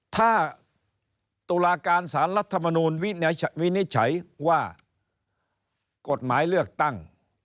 ถ้าตุลาการสารรัฐมนูลวินิจฉัยว่ากฎหมายเลือกตั้ง